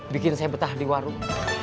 bikin saya betah di warung